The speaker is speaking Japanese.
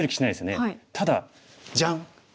ただジャン！